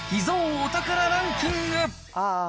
お宝ランキング。